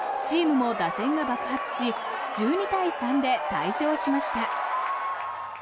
チームも打線が爆発し１２対３で大勝しました。